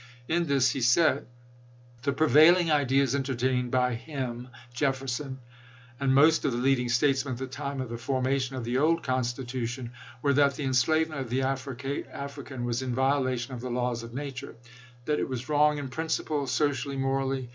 In this he said : The prevailing ideas entertained by him [Jefferson] and most of the leading statesmen at the time of the forma tion of the old Constitution, were that the enslavement of the African was in violation of the laws of nature ; that it was wrong in principle, socially, morally, and l Address made by William L.